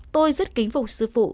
tôi rất kính phục sư phụ